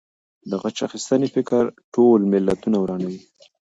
د غچ اخیستنې فکر ټول ملتونه ورانوي.